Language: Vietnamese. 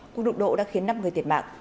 cuộc đụng độ đã khiến năm người tiệt mạng